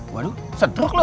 waduh sedruk lo